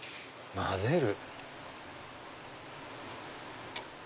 混ぜる。